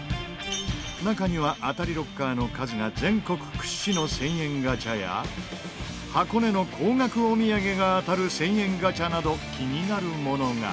中には当たりロッカーの数が全国屈指の１０００円ガチャや箱根の高額お土産が当たる１０００円ガチャなど気になるものが。